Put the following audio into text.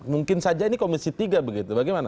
mungkin saja ini komisi tiga begitu bagaimana